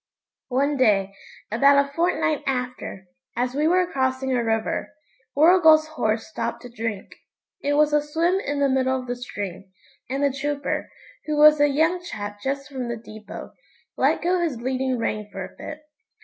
One day, about a fortnight after, as we were crossing a river, Warrigal's horse stopped to drink. It was a swim in the middle of the stream, and the trooper, who was a young chap just from the depot, let go his leading rein for a bit.